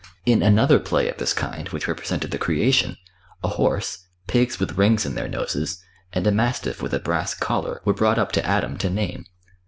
In another play of this kind which represented the Creation, a horse, pigs with rings in their noses, and a mastiff with a brass collar were brought up to Adam to name.